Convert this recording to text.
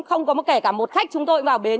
không có kể cả một khách chúng tôi vào bến